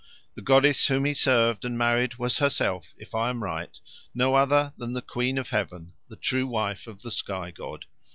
The goddess whom he served and married was herself, if I am right, no other than the Queen of Heaven, the true wife of the sky god.